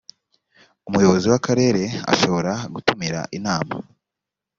umuyobozi w akarere ashobora gutumira inama